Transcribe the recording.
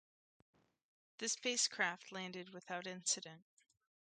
The spacecraft landed without incident.